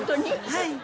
はい。